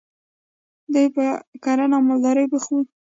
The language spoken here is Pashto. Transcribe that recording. دوی په کرنه او مالدارۍ بوخت وو.